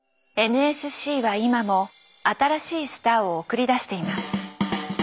ＮＳＣは今も新しいスターを送り出しています。